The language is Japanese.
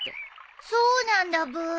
そうなんだブー。